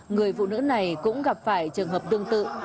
người phụ nữ này cũng gặp phải trường hợp tương tự